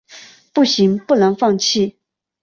不行，不能放弃